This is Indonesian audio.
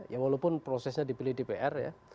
ya walaupun prosesnya dipilih dpr ya